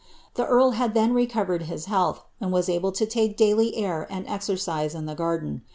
The earl had then recovered his health, and was able to take daily air and exercise in the garden.